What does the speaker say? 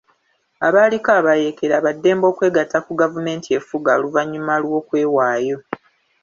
Abaaliko abayeekera baddembe okwegatta ku gavumenti efuga oluvannyuma lw'okwewaayo.